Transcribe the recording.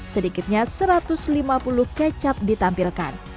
sedikitnya satu ratus lima puluh kecap ditampilkan